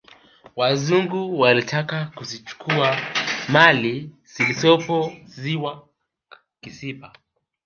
wazungu walitaka kuzichukua mali zilizopo ziwa kisiba